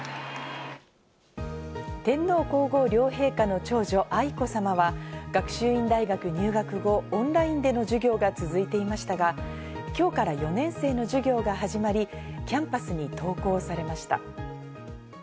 天皇皇后両陛下の長女・愛子さまは学習院大学入学後、オンラインでの授業が続いていましたが、今日から４年生の授業が始まり、キャンパスに登校されました。